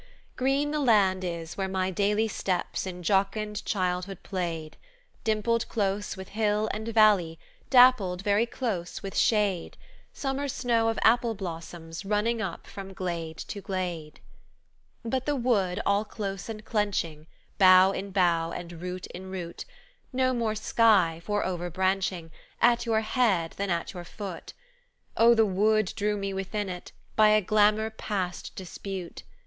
"Green the land is where my daily Steps in jocund childhood played, Dimpled close with hill and valley, Dappled very close with shade; Summer snow of apple blossoms running up from glade to glade. "But the wood, all close and clenching Bough in bough and root in root, No more sky (for overbranching) At your head than at your foot, Oh, the wood drew me within it, by a glamour past dispute.